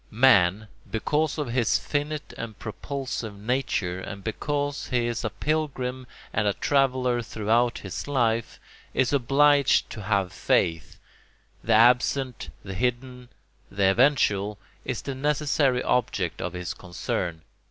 Man, because of his finite and propulsive nature and because he is a pilgrim and a traveller throughout his life, is obliged to have faith: the absent, the hidden, the eventual, is the necessary object of his concern.